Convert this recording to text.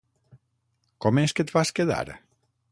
Com és que et vas quedar?